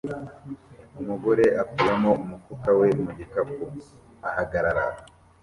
Umugore akuramo umufuka we mu gikapu ahagarara